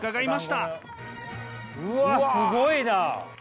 うわすごいな！